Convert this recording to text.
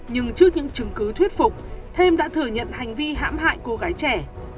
nhưng trước những chứng cứ thuyết phục thêm đã thừa nhận hành vi hãm hại cô gái trẻ